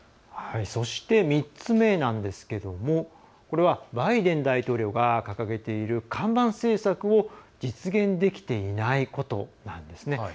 そして、３つ目なんですがこれは、バイデン大統領が掲げている看板政策を実現できていないことなんですね。